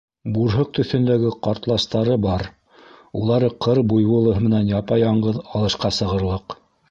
Бурһыҡ төҫөндәге ҡартластары бар, улары ҡыр буйволы менән япа-яңғыҙ алышҡа сығырлыҡ.